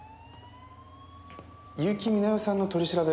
結城美奈世さんの取り調べ